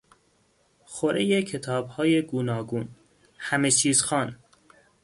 خورهی کتابهای گوناگون، همه چیز خوان